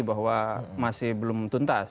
bahwa masih belum tuntas